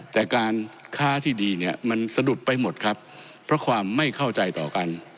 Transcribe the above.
แต่การค้าที่ดีเนี่ยมันสะดุดไปหมดครับเพราะความไม่เข้าใจต่อกัน